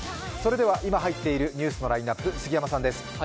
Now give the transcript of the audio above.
今入っているニュースのラインナップ、杉山さんです。